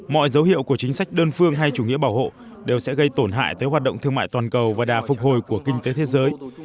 mọi dấu hiệu của chính sách đơn phương hay chủ nghĩa bảo hộ đều sẽ gây tổn hại tới hoạt động thương mại toàn cầu và đà phục hồi của kinh tế thế giới